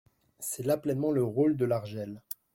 C’est là pleinement le rôle de l’ARJEL.